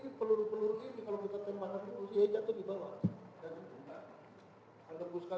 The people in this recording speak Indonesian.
ini yang diatas